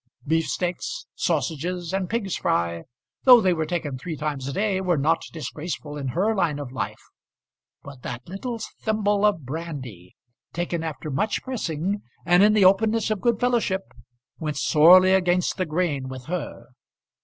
Beefsteaks, sausages, and pigs' fry, though they were taken three times a day, were not disgraceful in her line of life; but that little thimble of brandy, taken after much pressing and in the openness of good fellowship, went sorely against the grain with her.